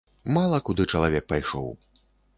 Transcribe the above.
Мала куды чалавек пайшоў.